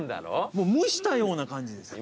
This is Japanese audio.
もう蒸したような感じです。